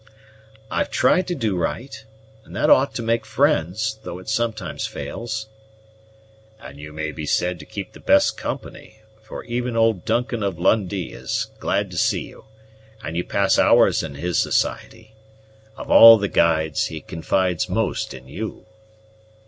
"I've tried to do right, and that ought to make friends, though it sometimes fails." "And you may be said to keep the best company; for even old Duncan of Lundie is glad to see you, and you pass hours in his society. Of all the guides, he confides most in you."